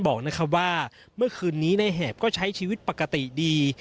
บอกว่าเมื่อคืนนี้ในแหบก็ใช้ชีวิตปกติดี